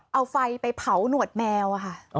เอาไฟไปเผาหนวดแมวค่ะ